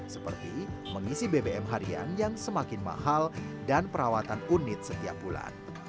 seperti mengisi bbm harian yang semakin mahal dan perawatan unit setiap bulan